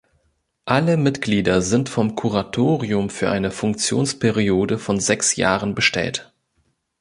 Alle Mitglieder sind vom Kuratorium für eine Funktionsperiode von sechs Jahren bestellt.